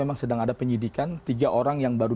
memang sedang ada penyidikan tiga orang yang baru